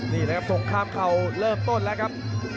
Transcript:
นี่แหละครับสงครามเข่าเริ่มต้นแล้วครับ